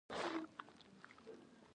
احمد ډېره ښکلې باډۍ او تنه لري.